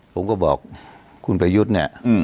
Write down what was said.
ผมก็บอกคุณประยุทธ์เนี่ย